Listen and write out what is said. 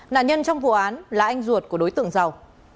nạn nhân trong vụ án là anh ruột của đối tượng giàu